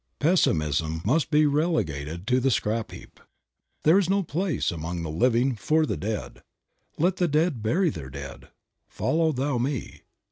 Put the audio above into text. Pessimism must be relegated to the scrap heap. There is no place among the living for the dead. "Let the dead bury their dead." "Follow thou me."